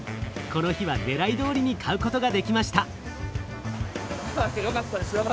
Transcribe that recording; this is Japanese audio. この日はねらいどおりに買うことができました。